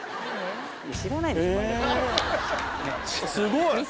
すごい。